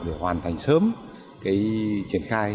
để hoàn thành sớm cái triển khai